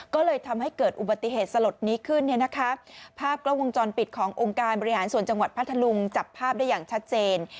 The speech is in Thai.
ก็เลยทำให้เกิดอุบัติเหตุสลดนี้ขึ้นเนี่ยนะคะภาพกล้องวงจรปิดขององค์การบริหารส่วนจังหวัดพัทธลุงจับภาพได้อย่างชัดเจน